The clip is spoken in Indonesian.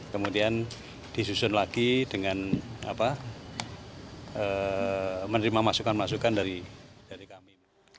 kemudian disusun lagi dengan menerima masukan masukan dari kami